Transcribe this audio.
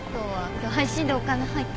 今日配信でお金入ったから。